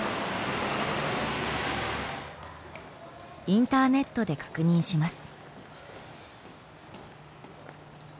インターネットで確認します。